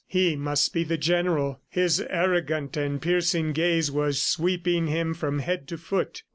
He must be the general. His arrogant and piercing gaze was sweeping him from head to foot.